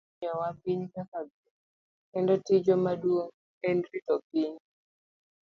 Nyasaye nomiyowa piny kaka gweth, kendo tijwa maduong' en rito piny.